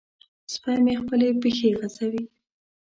سپی مې خپلې پښې غځوي.